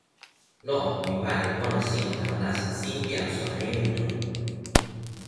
lon, mi pali e pona sin tawa nasin sin pi jan sona Ewinton.